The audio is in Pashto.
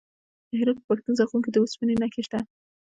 د هرات په پښتون زرغون کې د وسپنې نښې شته.